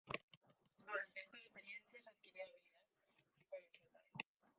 Durante estas experiencias adquirió habilidad como soldador.